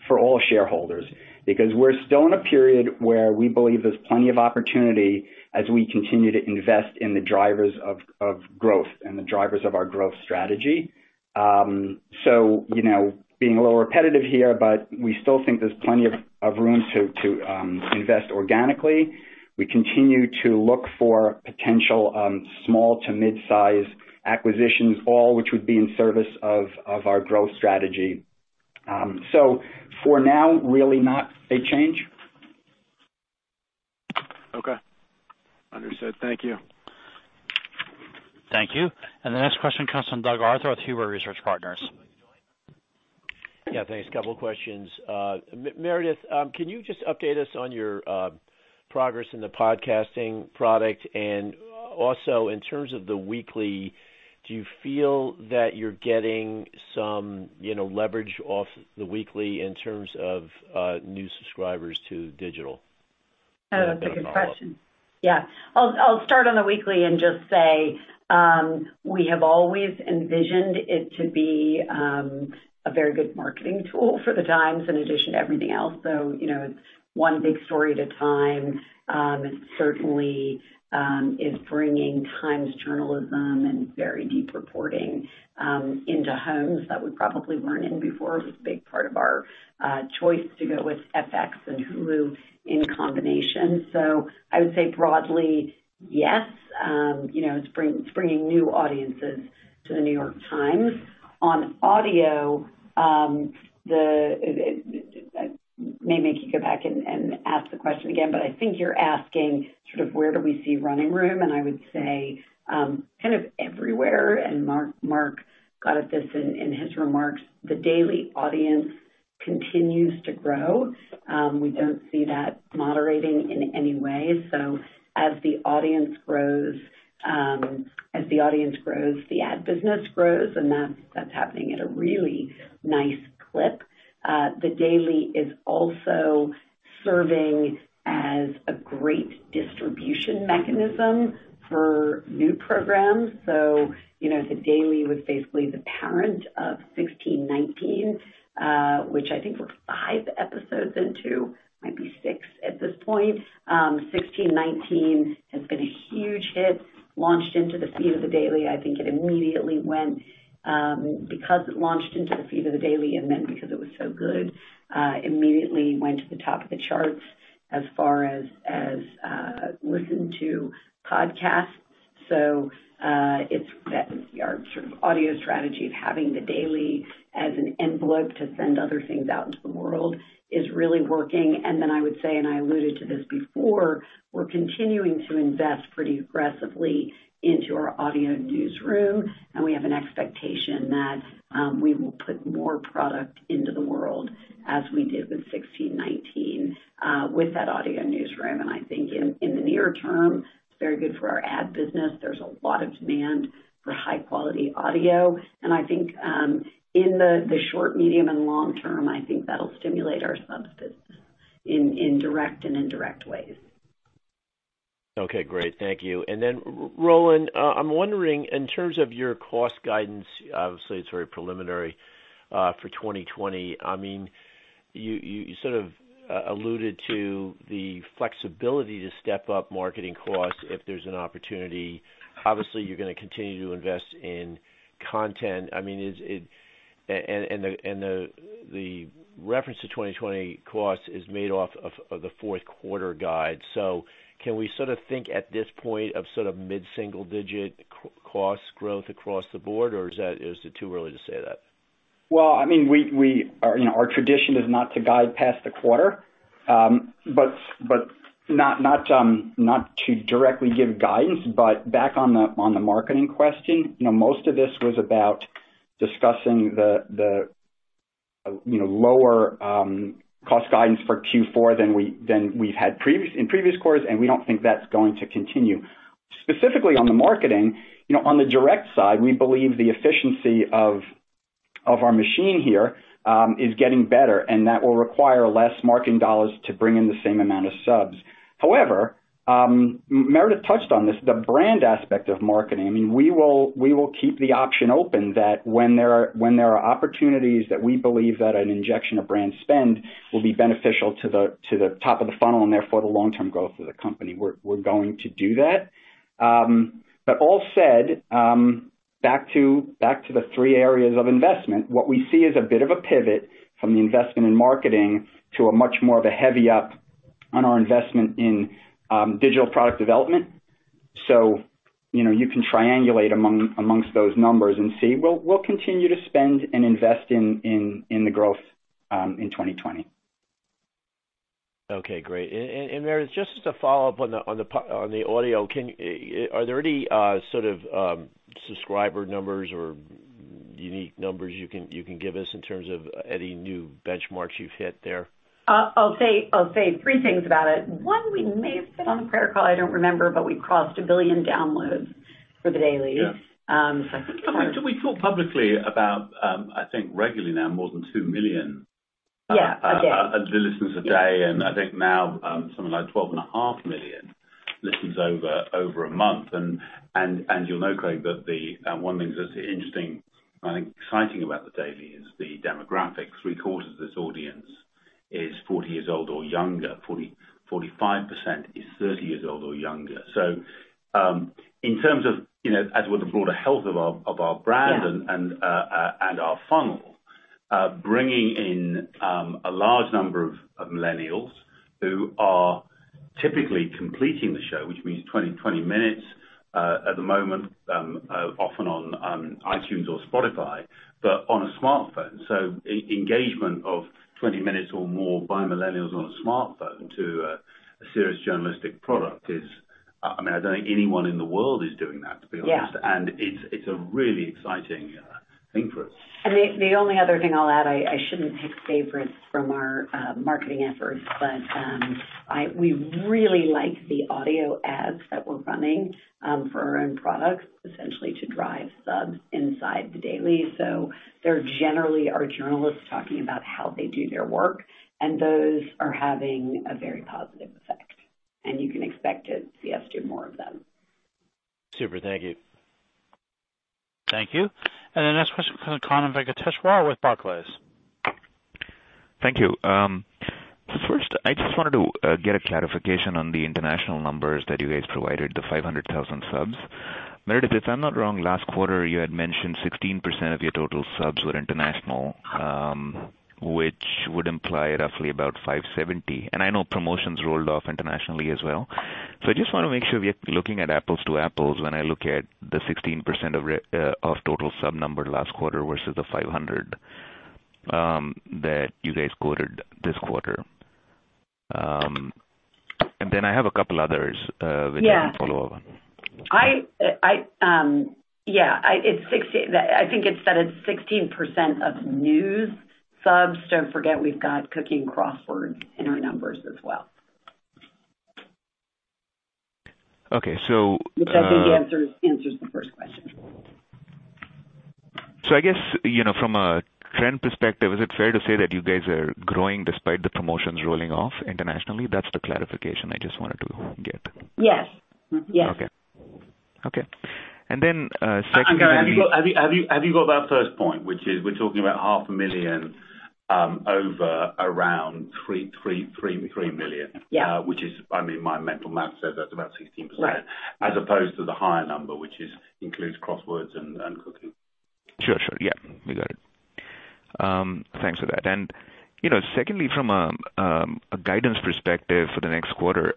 D: for all shareholders. Because we're still in a period where we believe there's plenty of opportunity as we continue to invest in the drivers of growth and the drivers of our growth strategy. Being a little repetitive here, but we still think there's plenty of room to invest organically. We continue to look for potential small to mid-size acquisitions, all which would be in service of our growth strategy. For now, really not a change.
I: Okay. Understood. Thank you.
A: Thank you. The next question comes from Doug Arthur with Huber Research Partners.
J: Yeah, thanks. A couple questions. Meredith, can you just update us on your progress in the podcasting product? Also in terms of The Weekly, do you feel that you're getting some leverage off The Weekly in terms of new subscribers to digital?
G: That's a good question. Yeah. I'll start on The Weekly and just say, we have always envisioned it to be a very good marketing tool for the Times in addition to everything else. It's one big story at a time. It certainly is bringing Times journalism and very deep reporting into homes that we probably weren't in before, was a big part of our choice to go with FX and Hulu in combination. I would say broadly, yes, it's bringing new audiences to The New York Times. On audio, may make you go back and ask the question again, but I think you're asking sort of where do we see running room, and I would say kind of everywhere, and Mark got at this in his remarks. The Daily audience continues to grow. We don't see that moderating in any way. As the audience grows, the ad business grows, and that's happening at a really nice clip. The Daily is also serving as a great distribution mechanism for new programs. The Daily was basically the parent of 1619, which I think we're five episodes into, might be six at this point. 1619 has been a huge hit, launched into the feed of The Daily. I think it immediately went, because it launched into the feed of The Daily and then because it was so good, immediately went to the top of the charts as far as listened-to podcasts. Our sort of audio strategy of having The Daily as an envelope to send other things out into the world is really working. Then I would say, and I alluded to this before, we're continuing to invest pretty aggressively into our audio newsroom, and we have an expectation that we will put more product into the world as we did with 1619 with that audio newsroom. I think in the near term, it's very good for our ad business. There's a lot of demand for high-quality audio, and I think in the short, medium, and long term, I think that'll stimulate our subs business in direct and indirect ways.
J: Okay, great. Thank you. Roland, I'm wondering in terms of your cost guidance, obviously it's very preliminary for 2020. You sort of alluded to the flexibility to step up marketing costs if there's an opportunity. Obviously, you're going to continue to invest in content. And the reference to 2020 costs is made off of the fourth quarter guide. Can we sort of think at this point of mid-single digit cost growth across the board, or is it too early to say that?
D: Well, our tradition is not to guide past the quarter. Not to directly give guidance, but back on the marketing question, most of this was about discussing the lower cost guidance for Q4 than we've had in previous quarters, and we don't think that's going to continue. Specifically on the marketing, on the direct side, we believe the efficiency of our machine here is getting better, and that will require less marketing dollars to bring in the same amount of subs. However, Meredith touched on this, the brand aspect of marketing. We will keep the option open that when there are opportunities that we believe that an injection of brand spend will be beneficial to the top of the funnel and therefore the long-term growth of the company, we're going to do that. All said, back to the three areas of investment, what we see is a bit of a pivot from the investment in marketing to a much more of a heavy-up on our investment in digital product development. You can triangulate amongst those numbers and see. We'll continue to spend and invest in the growth in 2020.
J: Okay, great. Meredith, just as a follow-up on the audio, are there any sort of subscriber numbers or unique numbers you can give us in terms of any new benchmarks you've hit there?
G: I'll say three things about it. One, we may have said on the prior call, I don't remember, but we crossed one billion downloads for The Daily.
J: Yeah.
G: So that's the first.
C: I think we talk publicly about, I think, regularly now, more than two million.
G: Yeah, a day.
C: Listeners a day, and I think now something like 12.5 million listens over a month. You'll know, Craig, that one of the things that's interesting and exciting about The Daily is the demographics. Three-quarters of this audience is 40 years old or younger. 45% is 30 years old or younger. In terms of the broader health of our brand.
G: Yeah.
C: Our funnel, bringing in a large number of millennials who are typically completing the show, which means 20 minutes at the moment, often on iTunes or Spotify, but on a smartphone. Engagement of 20 minutes or more by millennials on a smartphone to a serious journalistic product is. I don't think anyone in the world is doing that, to be honest.
G: Yeah.
C: It's a really exciting thing for us.
G: The only other thing I'll add, I shouldn't pick favorites from our marketing efforts, but we really like the audio ads that we're running for our own products, essentially to drive subs inside The Daily. They generally are journalists talking about how they do their work, and those are having a very positive effect, and you can expect to see us do more of them.
J: Super. Thank you.
A: Thank you. The next question comes from Kannan Venkateshwar with Barclays.
K: Thank you. First, I just wanted to get a clarification on the international numbers that you guys provided, the 500,000 subs. Meredith, if I'm not wrong, last quarter you had mentioned 16% of your total subs were international, which would imply roughly about 570. I know promotions rolled off internationally as well. I just want to make sure we're looking at apples to apples when I look at the 16% of total sub number last quarter versus the 500 that you guys quoted this quarter. I have a couple others.
G: Yeah.
K: Which I can follow up on.
G: Yeah. I think it's 16% of news subs. Don't forget, we've got Cooking Crossword in our numbers as well.
K: Okay.
G: Which I think answers the first question.
K: I guess from a trend perspective, is it fair to say that you guys are growing despite the promotions rolling off internationally? That's the clarification I just wanted to get.
G: Yes.
K: Okay. Secondly.
C: Hang on. Have you got that first point, which is, we're talking about half a million over or around three million?
G: Yeah.
C: Which is, my mental math says that's about 16%.
G: Right.
C: As opposed to the higher number, which includes Crosswords and Cooking.
K: Sure. Yeah, we got it. Thanks for that. Secondly, from a guidance perspective for the next quarter,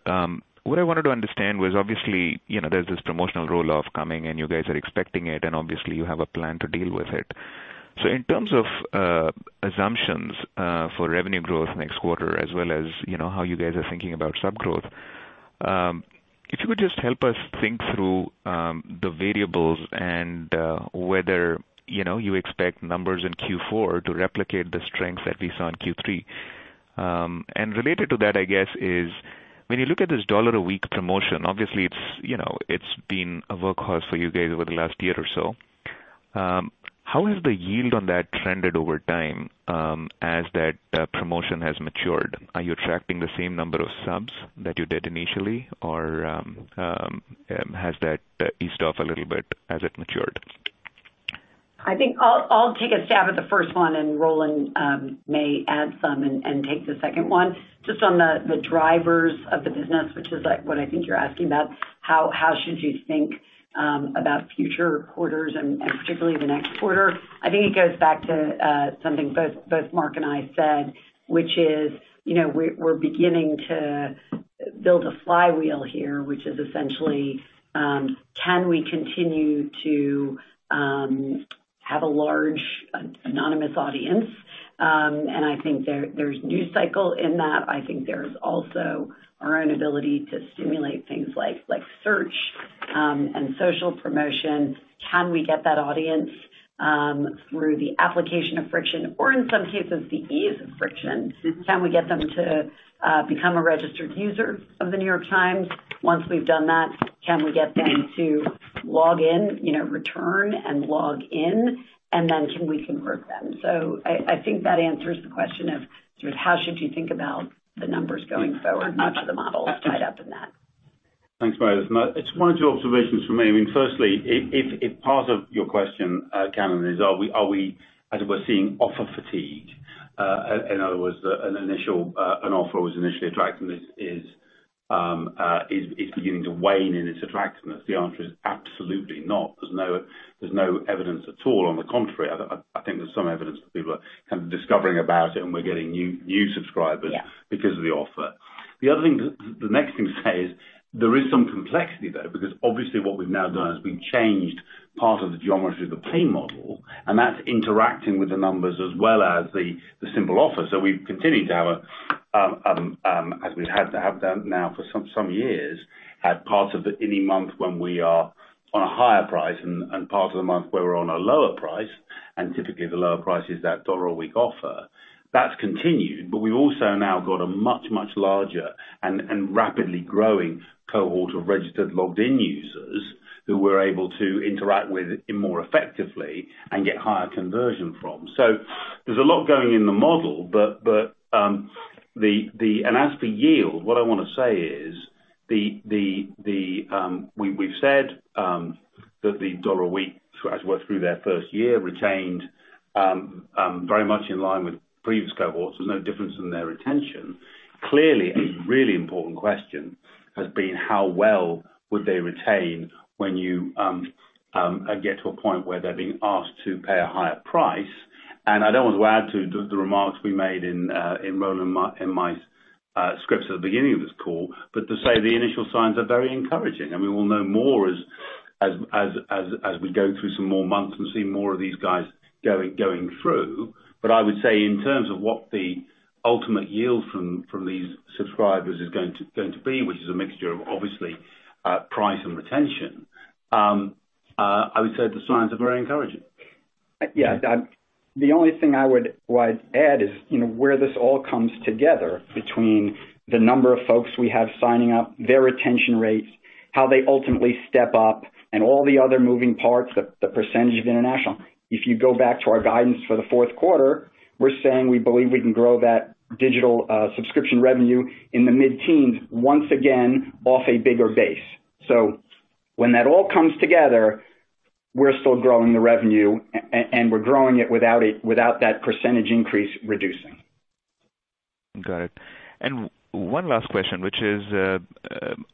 K: what I wanted to understand was, obviously, there's this promotional roll-off coming, and you guys are expecting it, and obviously you have a plan to deal with it. In terms of assumptions for revenue growth next quarter as well as how you guys are thinking about sub growth, if you would just help us think through the variables and whether you expect numbers in Q4 to replicate the strength that we saw in Q3? Related to that is, when you look at this dollar a week promotion, obviously it's been a workhorse for you guys over the last year or so. How has the yield on that trended over time as that promotion has matured? Are you attracting the same number of subs that you did initially, or has that eased off a little bit as it matured?
G: I think I'll take a stab at the first one, and Roland may add some and take the second one. Just on the drivers of the business, which is what I think you're asking about, how should you think about future quarters and particularly the next quarter? I think it goes back to something both Mark and I said, which is we're beginning to build a flywheel here, which is essentially, can we continue to have a large anonymous audience? I think there's news cycle in that. I think there's also our own ability to stimulate things like search and social promotion. Can we get that audience through the application of friction or, in some cases, the ease of friction? Can we get them to become a registered user of The New York Times? Once we've done that, can we get them to log in, return, and log in, and then can we convert them? I think that answers the question of sort of how should you think about the numbers going forward? Much of the model is tied up in that.
C: Thanks, Meredith. One or two observations from me. Firstly, if part of your question, Kannan, is are we, as it were, seeing offer fatigue? In other words, an offer that was initially attractive is beginning to wane in its attractiveness? The answer is absolutely not. There's no evidence at all. On the contrary, I think there's some evidence that people are kind of discovering about it, and we're getting new subscribers.
G: Yeah.
C: Because of the offer. The next thing to say is there is some complexity, though, because obviously what we've now done is we've changed part of the geometry of the pay model, and that's interacting with the numbers as well as the simple offer. We've continued to have, as we have done now for some years, had parts of any month when we are on a higher price and part of the month where we're on a lower price, and typically the lower price is that dollar a week offer. That's continued, but we've also now got a much, much larger and rapidly growing cohort of registered logged-in users who we're able to interact with more effectively and get higher conversion from. There's a lot going in the model. As for yield, what I want to say is we've said that the $1 a week, as it were, through their first year, retained very much in line with previous cohorts. There's no difference in their retention. Clearly, a really important question has been how well would they retain when you get to a point where they're being asked to pay a higher price? I don't want to add to the remarks we made in Roland and my scripts at the beginning of this call, but to say the initial signs are very encouraging, and we will know more as we go through some more months and see more of these guys going through. I would say in terms of what the ultimate yield from these subscribers is going to be, which is a mixture of obviously price and retention, I would say the signs are very encouraging.
D: Yeah. The only thing I would add is where this all comes together between the number of folks we have signing up, their retention rates, how they ultimately step up, and all the other moving parts, the percentage of international. If you go back to our guidance for the fourth quarter, we're saying we believe we can grow that digital subscription revenue in the mid-teens once again off a bigger base. When that all comes together, we're still growing the revenue, and we're growing it without that percentage increase reducing.
K: Got it. One last question, which is,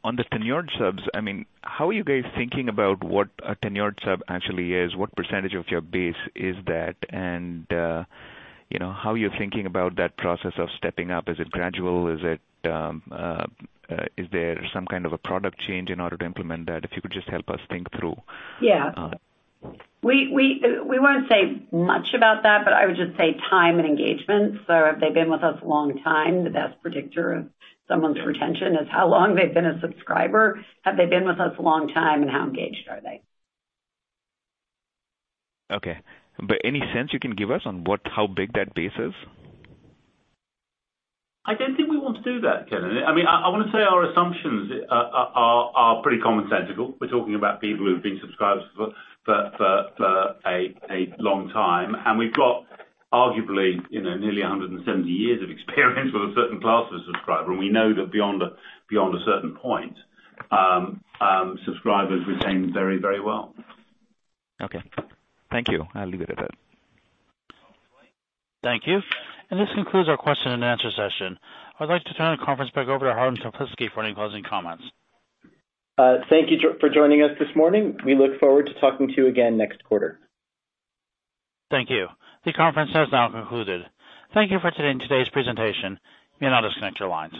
K: on the tenured subs, how are you guys thinking about what a tenured sub actually is? What percentage of your base is that? How are you thinking about that process of stepping up? Is it gradual? Is there some kind of a product change in order to implement that? If you could just help us think through.
G: Yeah. We won't say much about that, but I would just say time and engagement. Have they been with us a long time? The best predictor of someone's retention is how long they've been a subscriber. Have they been with us a long time, and how engaged are they?
K: Okay. Any sense you can give us on how big that base is?
C: I don't think we want to do that, Kannan. I want to say our assumptions are pretty commonsensical. We're talking about people who have been subscribers for a long time, and we've got arguably nearly 170 years of experience with a certain class of subscriber, and we know that beyond a certain point, subscribers retain very, very well.
K: Okay. Thank you. I'll leave it at that.
A: Thank you. This concludes our question and answer session. I'd like to turn the conference back over to Harlan Toplitzky for any closing comments.
B: Thank you for joining us this morning. We look forward to talking to you again next quarter.
A: Thank you. The conference has now concluded. Thank you for attending today's presentation. You may now disconnect your lines.